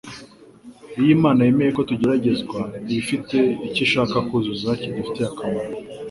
Iyo Imana yemeye ko tugeragezwa, iba ifite icyo ishaka kuzuza kidufitiye akamaro